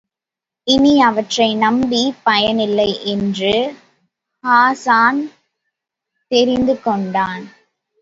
இனி, அவற்றை நம்பிப் பயனில்லை என்று ஹாஸான் தெரிந்து கொண்டான்.